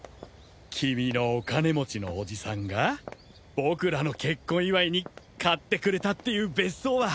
君のお金持ちのおじさんが僕らの結婚祝いに買ってくれたっていう別荘は？